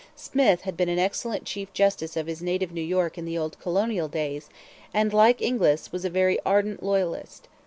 Smith had been an excellent chief justice of his native New York in the old colonial days, and, like Inglis, was a very ardent Loyalist.